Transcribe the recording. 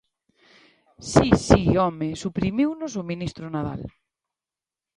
Si, si, home, suprimiunos o ministro Nadal.